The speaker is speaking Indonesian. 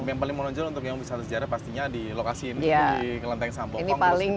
yang paling menonjol untuk yang wisata sejarah pastinya di lokasi ini di kelenteng sampokong